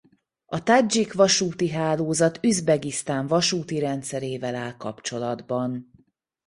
A tádzsik vasúti hálózat Üzbegisztán vasúti rendszerével áll kapcsolatban.